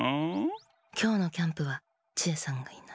きょうのキャンプはチエさんがいない。